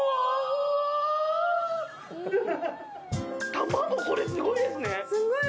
卵、これすごいですね。